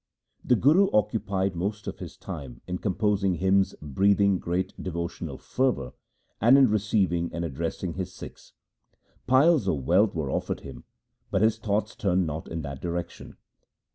The Guru occupied most of his time in composing hymns breathing great devotional fervour and in receiving and addressing his Sikhs. Piles of wealth were offered him, but his thoughts turned not in that direction.